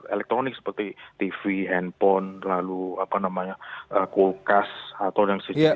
elektronik seperti tv handphone lalu kulkas atau yang sejenisnya